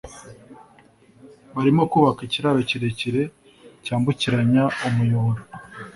Barimo kubaka ikiraro kirekire cyambukiranya umuyoboro